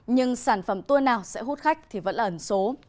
nhưng sản phẩm tour nào sẽ hút khách thì vẫn là ẩn số